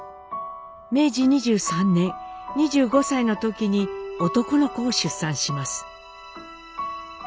明治２３年２５歳の時に男の子を出産します。